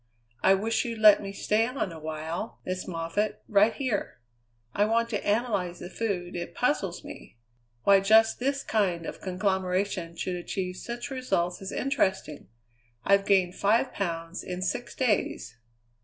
I wish you'd let me stay on a while, Miss Moffatt, right here. I want to analyze the food, it puzzles me. Why just this kind of conglomeration should achieve such results is interesting. I've gained five pounds in six days."